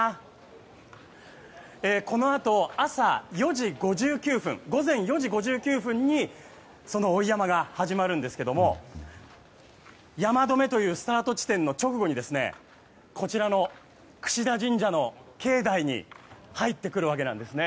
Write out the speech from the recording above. このあと午前４時５９分にその追い山笠が始まるんですが山笠どめというスタート地点の直後にこちらの櫛田神社の境内に入ってくるわけです。